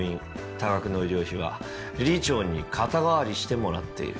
多額の医療費は理事長に肩代わりしてもらっている。